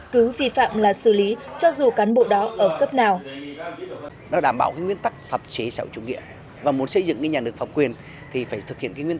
cứ vi phạm là xử lý cho dù cán bộ đó ở cấp nào